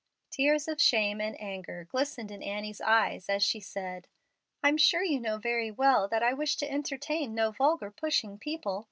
Tears of shame and anger glistened in Annie's eyes as she said, "I'm sure you know very well that I wish to entertain no vulgar, pushing people.